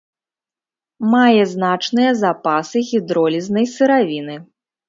Мае значныя запасы гідролізнай сыравіны.